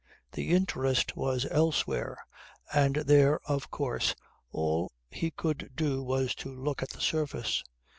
The interest was elsewhere, and there of course all he could do was to look at the surface.